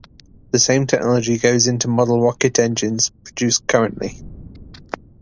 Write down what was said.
The same technology goes into model rocket engines produced currently.